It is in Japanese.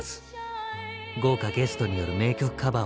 豪華ゲストによる名曲カバーをお届け。